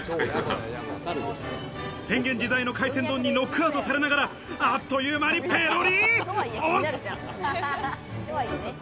変幻自在の海鮮丼にノックアウトされながら、あっという間にペロリ！